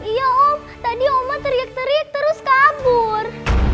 iya om tadi oman teriak teriak terus kabur